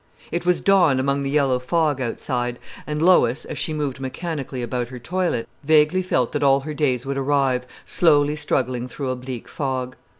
It was dawn among the yellow fog outside, and Lois, as she moved mechanically about her toilet, vaguely felt that all her days would arrive slowly struggling through a bleak fog.